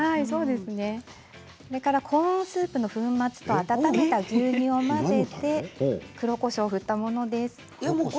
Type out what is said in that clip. コーンスープの粉末と温めた牛乳を混ぜて黒こしょうを振ったものです。